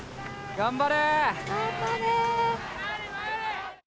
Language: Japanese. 頑張れ。